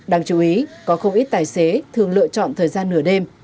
đáng chú ý có không ít tài xế thường lựa chọn thời gian nửa đêm